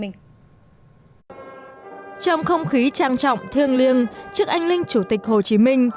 trong không khí trang trọng thiêng liêng trước anh linh chủ tịch hồ chí minh